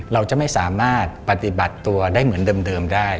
เราจะไม่สามารถปฏิบัติตัวได้เหมือนเดิมได้